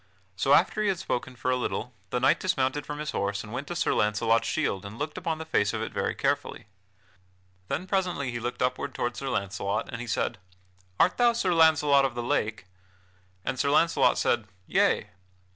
So, after he had spoken for a little, the knight dismounted from his horse and went to Sir Launcelot's shield and looked upon the face of it very carefully. Then presently he looked upward toward Sir Launcelot, and he said: "Art thou Sir Launcelot of the Lake?" And Sir Launcelot said: "Yea."